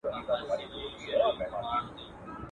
څوک چي د مار بچی په غېږ کي ګرځوینه.